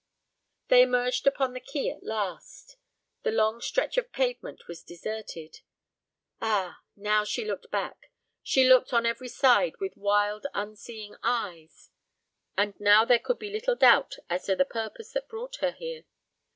They emerged upon the quay at last. The long stretch of pavement was deserted. Ah, now she looked back she looked on every side with wild unseeing eyes and now there could be little doubt as to the purpose that brought her here.